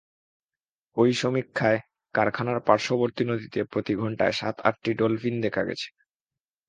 ওই সমীক্ষায় কারখানার পার্শ্ববর্তী নদীতে প্রতি ঘণ্টায় সাত আটটি ডলফিন দেখা গেছে।